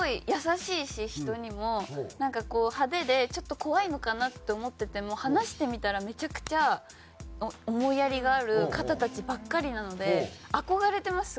なんかこう派手でちょっと怖いのかなって思ってても話してみたらめちゃくちゃ思いやりがある方たちばっかりなので憧れてます